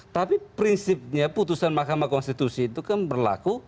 tapi prinsipnya putusan mahkamah konstitusi itu kan berlaku